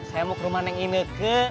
saya mau ke rumah neng ineke